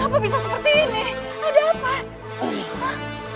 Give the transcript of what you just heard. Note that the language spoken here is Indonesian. kenapa bisa seperti ini ada apa